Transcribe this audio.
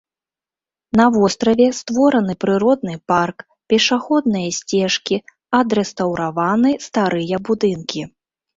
На востраве створаны прыродны парк, пешаходныя сцежкі, адрэстаўраваны старыя будынкі.